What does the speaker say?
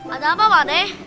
ada apa pak nek